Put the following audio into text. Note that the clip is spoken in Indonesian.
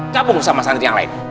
gabung sama santri yang lain